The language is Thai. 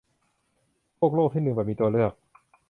พวกโลกที่หนึ่งแบบมีตัวเลือก